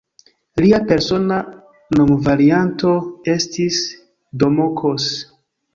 Lia persona nomvarianto estis "Domokos".